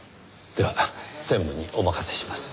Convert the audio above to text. では専務にお任せします。